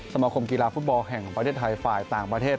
สมาคมกีฬาฟุตบอลแห่งประเทศไทยฝ่ายต่างประเทศ